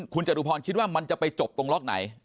คุณจตุพรคิดว่ามันจะไปจบตรงล็อกไหน